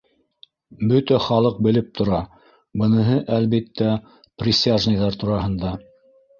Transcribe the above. — «...Бөтә халыҡ белеп тора...» —быныһы, әлбиттә, присяжныйҙар тураһында.